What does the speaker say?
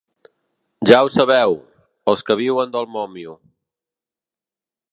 Ja ho sabeu, els que viuen del mòmio.